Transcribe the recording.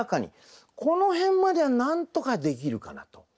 この辺まではなんとかできるかなと。